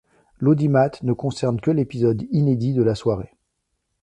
L'audimat ne concerne que l'épisode inédit de la soirée.